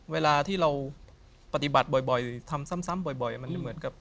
เวลาที่เราปฏิบัติบ่อยทำซ้ำบ่อยมันเหมือนกับ